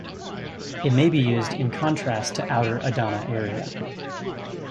It may be used in contrast to Outer Adana Area.